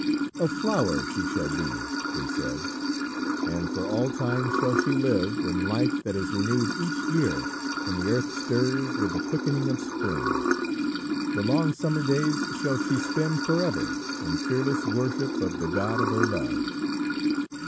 "A flower she shall be!" they said, "and for all time shall she live, in life that is renewed each year when the earth stirs with the quickening of spring. The long summer days shall she spend forever in fearless worship of the god of her love!"